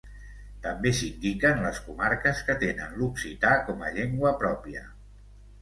També s'indiquen les comarques que tenen l'occità com a llengua pròpia.